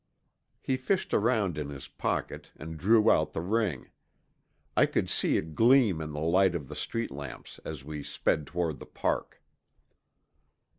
He fished around in his pocket and drew out the ring. I could see it gleam in the light of the street lamps as we sped toward the park.